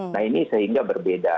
nah ini sehingga berbeda